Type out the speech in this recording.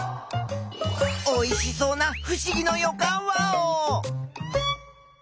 おいしそうなふしぎのよかんワオ！